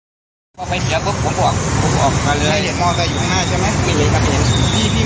มีรถจักรยานยนต์อยู่ข้างหน้าเนี้ยมีภาพอย่างที่เห็นในกล้องมุมจรปิด